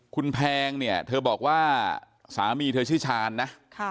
คุณแพงเนี่ยเธอบอกว่าสามีเธอชื่อชาญนะ